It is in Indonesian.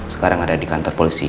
sekarang ada di kantor polisi